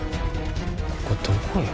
ここどこよ？